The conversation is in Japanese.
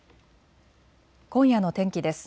今夜の天気です。